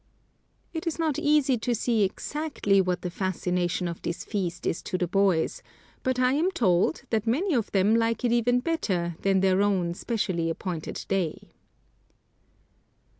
It is not easy to see exactly what the fascination of this feast is to the boys, but I am told that many of them like it even better than their own specially appointed day.